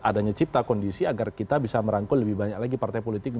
adanya cipta kondisi agar kita bisa merangkul lebih banyak lagi partai politik